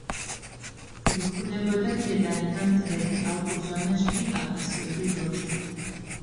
გვხვდებოდა ქედანი და მტრედი, ალპურ ზონაში კი კავკასიური როჭო.